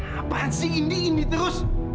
apaan sih indi indi terus